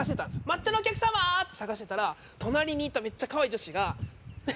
「抹茶のお客様！」って探してたら隣にいためっちゃ可愛い女子が「フフ！